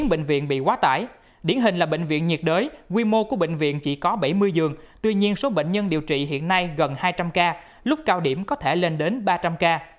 bốn bệnh viện bị quá tải điển hình là bệnh viện nhiệt đới quy mô của bệnh viện chỉ có bảy mươi giường tuy nhiên số bệnh nhân điều trị hiện nay gần hai trăm linh ca lúc cao điểm có thể lên đến ba trăm linh ca